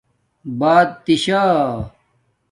بادتشاہ